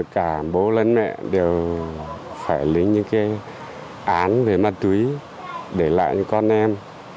cả bố lớn mẹ đều phải lấy những cái án về ma túy để lại cho con em